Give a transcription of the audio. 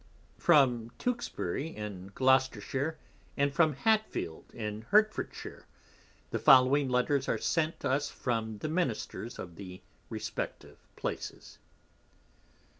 From Teuxbury in Gloucestershire, and from Hatfield in Hertfordshire, _the following Letters are sent us from the Ministers of the respective Places.